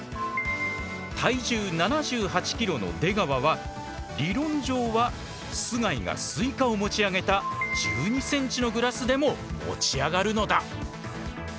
体重７８キロの出川は理論上は須貝がスイカを持ち上げた１２センチのグラスでも持ち上がるのだ。